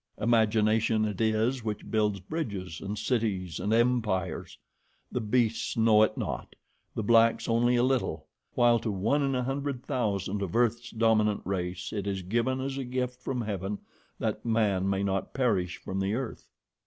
Imagination it is which builds bridges, and cities, and empires. The beasts know it not, the blacks only a little, while to one in a hundred thousand of earth's dominant race it is given as a gift from heaven that man may not perish from the earth.